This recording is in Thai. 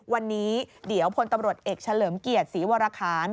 วันนี้เดี๋ยวพลตำรวจเอกเฉลิมเกียรติศรีวรคาร